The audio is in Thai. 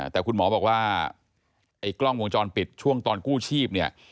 แต่คุณหมอบอกว่าไอ้กล้องวงจรปิดช่วงตอนกู้ชีพเนี่ย